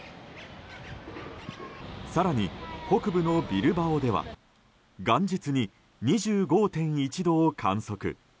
更に北部のビルバオでは元日に２５．１度を観測。